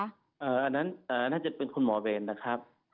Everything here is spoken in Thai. อันนั้นน่าจะเป็นคุณหมอเวรนะครับ